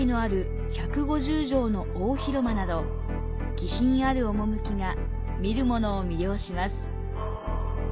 気品ある趣が見る者を魅了します。